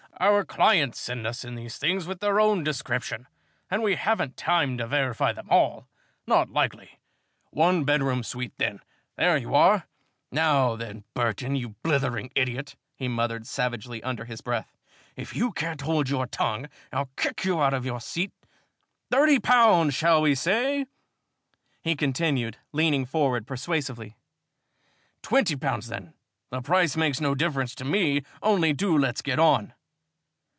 "Our clients send us in these things with their own description and we haven't time to verify them all not likely. One bedroom suite, then there you are. Now then, Burton, you blithering idiot," he muttered savagely under his breath, "if you can't hold your tongue I'll kick you out of your seat Thirty pounds shall we say?" he continued, leaning forward persuasively. "Twenty pounds, then? The price makes no difference to me, only do let's get on."